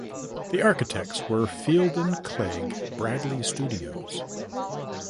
The architects were Feilden Clegg Bradley Studios.